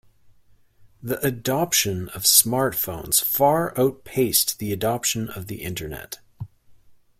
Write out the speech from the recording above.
The adoption of Smartphones far outpaced the adoption of the internet.